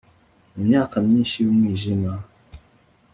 Mu myaka myinshi yumwijima